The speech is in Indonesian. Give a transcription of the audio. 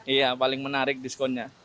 iya paling menarik diskonnya